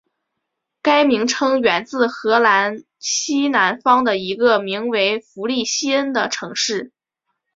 该名称源自荷兰西南方的一个名为弗利辛恩的城市。